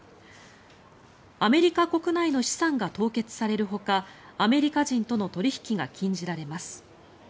アメリカ国内の資産が凍結されるほかアメリカ人との取引が禁じられます。